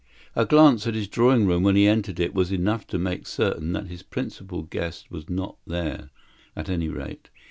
A glance at his drawing room when he entered it was enough to make certain that his principal guest was not there, at any rate.